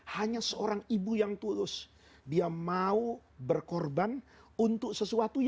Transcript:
hanya seorang ibu yang berani melahirkan laki laki mana di dunia ini yang berani melahirkan dengan keperkasan dan kehebatannya